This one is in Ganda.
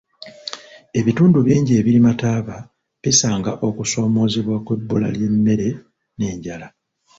Ebitundu bingi ebirima taaba bisanga okusoomoozebwa kw'ebbula ly'emmere n'enjala.